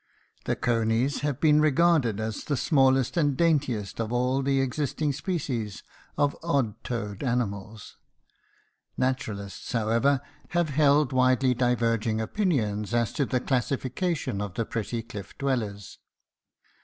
The conies have been regarded as the smallest and daintiest of all the existing species of odd toed animals. Naturalists, however, have held widely divergent opinions as to the classification of the pretty cliff dwellers.